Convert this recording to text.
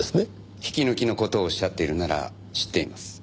引き抜きの事をおっしゃっているなら知っています。